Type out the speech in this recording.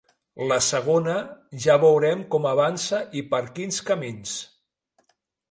La segona, ja veurem com avança i per quins camins.